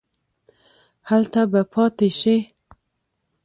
هلته به پاتې شې.